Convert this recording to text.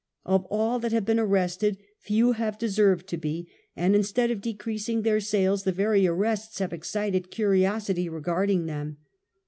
Of all that have been arrested, few have de served to be, and instead of decreasing their sales, the very arrests have excited curiositj^ regarding them.